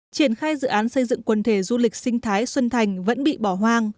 triển khai dự án xây dựng quần thể du lịch sinh thái xuân thành vẫn bị bỏ hoang